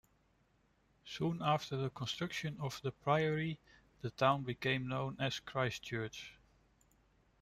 Soon after the construction of the priory the town became known as Christchurch.